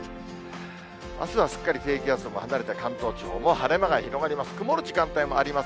あすはすっかり低気圧も離れた関東地方も晴れ間が広がります。